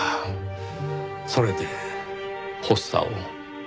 それで発作を。